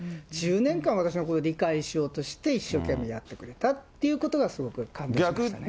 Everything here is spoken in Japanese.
１０年間私のこと理解しようとして、一生懸命やってくれたっていうことが、すごく感動しましたね。